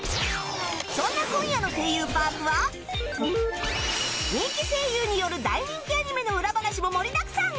そんな今夜の『声優パーク』は人気声優による大人気アニメの裏話も盛りだくさん！